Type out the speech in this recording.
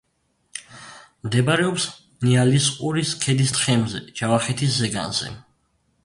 მდებარეობს ნიალისყურის ქედის თხემზე, ჯავახეთის ზეგანზე.